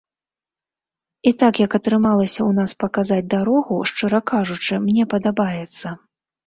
І так як атрымалася ў нас паказаць дарогу, шчыра кажучы, мне падабаецца.